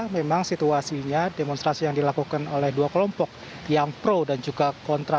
memang situasinya demonstrasi yang dilakukan oleh dua kelompok yang pro dan juga kontra